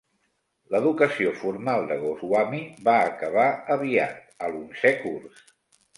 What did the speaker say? L'educació formal de Goswami va acabar aviat, a l'onzè curs.